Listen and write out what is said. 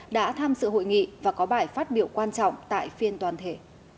đã tham dự hội nghị và có bài phát biểu quan trọng tại phiên toàn thể